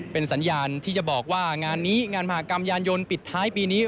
เป็นสัญญาณที่จะบอกว่างานนี้งานมหากรรมยานยนต์ปิดท้ายปีนี้